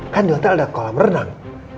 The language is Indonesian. kan di hotel ada kolam renang